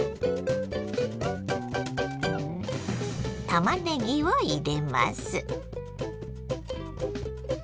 たまねぎを入れます。